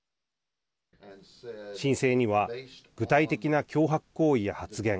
申請には具体的な脅迫行為や発言